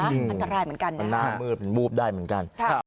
อันตรายเหมือนกันนะ